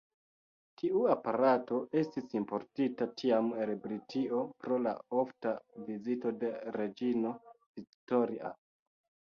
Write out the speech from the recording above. Tiu aparato estis importita tiam el Britio pro la ofta vizito de reĝino Victoria.